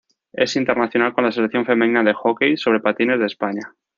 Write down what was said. Es internacional con la Selección femenina de hockey sobre patines de España.